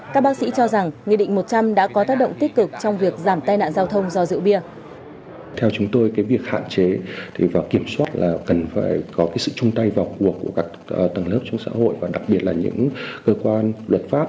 các bác sĩ cho rằng nghị định một trăm linh đã có tác động tích cực trong việc giảm tai nạn giao thông do rượu bia